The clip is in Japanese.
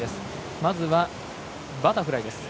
まずはバタフライ。